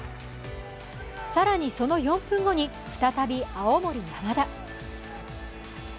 更に、その４分後に再び青森山田。